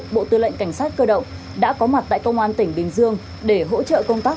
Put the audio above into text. bộ tư lệnh cảnh sát cơ động đã có mặt tại công an tỉnh bình dương để hỗ trợ công tác